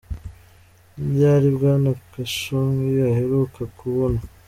Ni ryari Bwana Khashoggi aheruka kubonwa? .